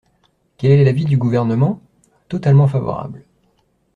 Quel est l’avis du Gouvernement ? Totalement favorable.